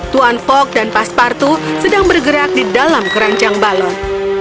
tuan fogg dan pastor patu sedang bergerak di dalam keranjang balon